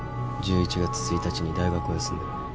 １１月１日に大学を休んでる。